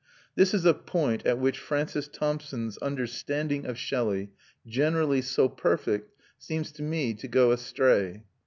This is a point at which Francis Thompson's understanding of Shelley, generally so perfect, seems to me to go astray.